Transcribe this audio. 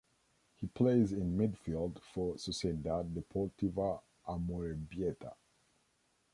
He plays in midfield for Sociedad Deportiva Amorebieta.